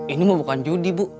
ini mah bukan judi bu